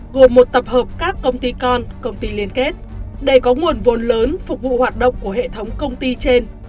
gồm một tập hợp các công ty con công ty liên kết để có nguồn vốn lớn phục vụ hoạt động của hệ thống công ty trên